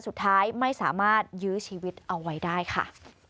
สุดท้ายไม่สามารถยื้อชีวิตเอาไว้ได้ค่ะ